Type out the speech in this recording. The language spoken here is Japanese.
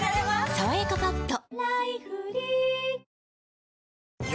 「さわやかパッド」